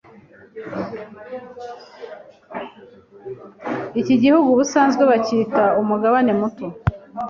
Iki gihugu ubusanzwe bacyita “umugabane muto